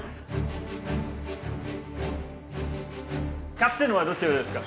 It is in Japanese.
キャプテンはどちらですか？